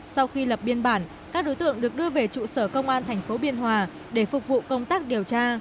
sau khi lập biên bản các đối tượng được đưa về trụ sở công an thành phố biên hòa để phục vụ công tác điều tra